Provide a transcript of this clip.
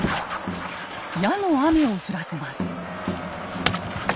矢の雨を降らせます。